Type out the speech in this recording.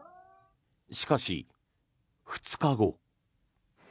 しかし、２日後。